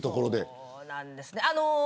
そうなんですね。